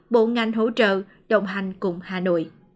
bộ ngành hỗ trợ đồng hành cùng hà nội